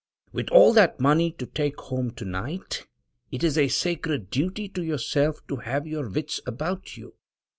With all that money to take home to night, it is a sacred duty to yourself to have your wits about you.